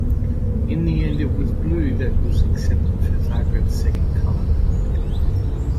In the end it was blue that was accepted for Zagreb's second colour.